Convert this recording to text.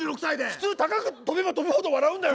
普通高く跳べば跳ぶほど笑うんだよ。